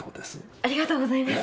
ありがとうございます。